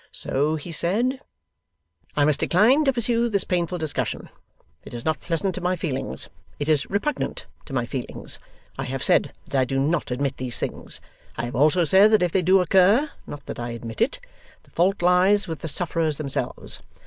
So he said: 'I must decline to pursue this painful discussion. It is not pleasant to my feelings; it is repugnant to my feelings. I have said that I do not admit these things. I have also said that if they do occur (not that I admit it), the fault lies with the sufferers themselves.